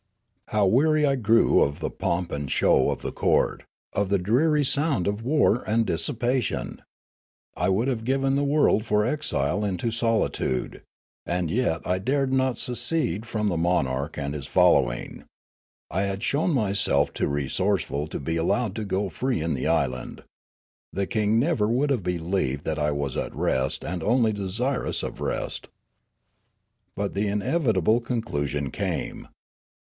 Noola 385 " How weary I grew of the pomp and show of the court, of the dreary round of war and dissipation ! I would have given the world for exile into solitude ; and yet I dared not secede from the monarch and his following. I had shown myself too resourceful to be allowed to go free in the island. The king never would have believed that I was at rest and only desirous of rest. " But the inevitable conclusion came.